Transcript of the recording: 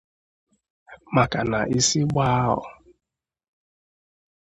Maka na isi gbàá ahọ